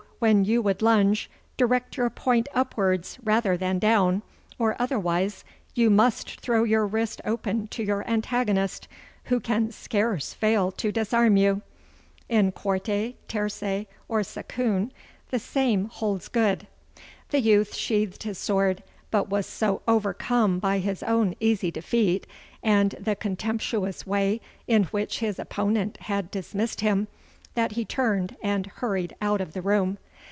when you would lunge, direct your point upwards rather than down, for otherwise you must throw your wrist open to your antagonist, who can scarce fail to disarm you. In quarte, tierce, or saccoon the same holds good.' The youth sheathed his sword, but was so overcome by his own easy defeat and the contemptuous way in which his opponent had dismissed him, that he turned and hurried out of the room.